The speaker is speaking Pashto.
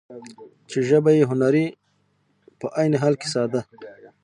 چې ژبه يې هنري په عين حال کې ساده ،